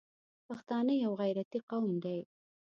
پښتانه یو غیرتي قوم دی.